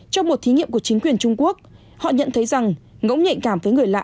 trong một thí nghiệm của chính quyền trung quốc họ nhận thấy rằng ngẫu nhạy cảm với người lạ